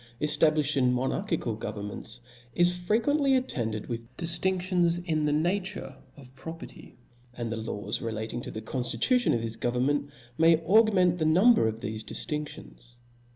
Chap. X. eftablifhed in monarchical governments, is fre quently attended with diftinftions in the nature of property \ and the laws relative to the conftitution of this government, may augment the number of thefe diftinftions.